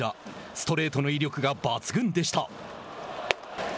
ストレートの威力が抜群でした。